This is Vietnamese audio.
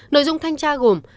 nội dung thanh tra gồm